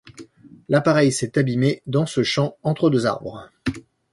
L'appareil s'est abîmé dans ce champ, entre deux arbres.